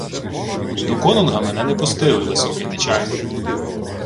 — До конунга мене не пустили, високий начальнику.